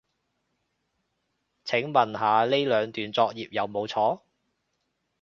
請問下呢兩段作業有冇錯